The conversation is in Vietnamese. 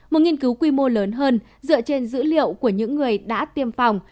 một nghiên cứu quy mô lớn hơn dựa trên dữ liệu của những người đã tiêm phòng